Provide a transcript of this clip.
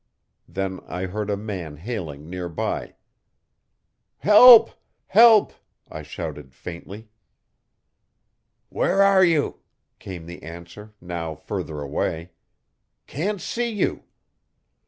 Then I heard a man hailing near by. 'Help, Help!' I shouted faintly. 'Where are you?' came the answer, now further away. 'Can't see you.'